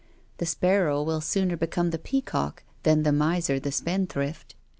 The spar row will sooner become the peacock than the miser the spendthrift.